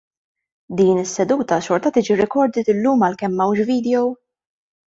Din is-seduta xorta tiġi recorded illum għalkemm m'hawnx video?